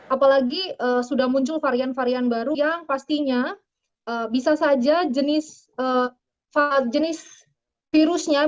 apalagi sudah muncul varian varian baru yang pastinya bisa saja jenis virusnya